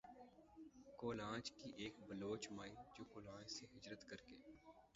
کولانچ کی ایک بلوچ مائی جو کولانچ سے ھجرت کر کے